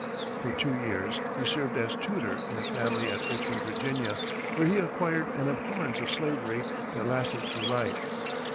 For two years, he served as tutor in a family at Richmond, Virginia, where he acquired an abhorrence of slavery that lasted through life.